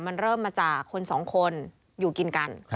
มันเริ่มมาจากคนสองคนอยู่กินกัน